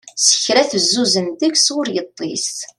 Sekra tezzuzzen deg-s ur yeṭṭis.